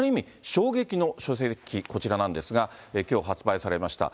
衝撃の書籍、こちらなんですが、きょう発売されました。